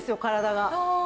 体が。